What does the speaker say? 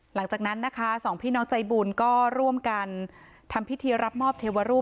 หลังจากนั้นนะคะสองพี่น้องใจบุญก็ร่วมกันทำพิธีรับมอบเทวรูป